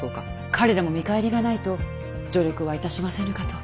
彼らも見返りがないと助力はいたしませぬかと。